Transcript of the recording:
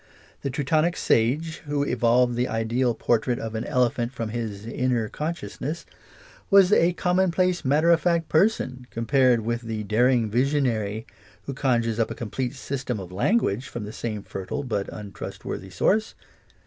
The Teutonic sage who evolved the ideal portrait of an elephant from his " inner consciousness " was a commonplace, matter of fact person compared with the daring visionary who conjures up a complete system of language from the same fertile but untrustworthy source.